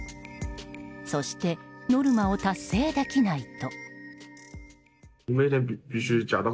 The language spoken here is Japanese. そしてノルマを達成できないと。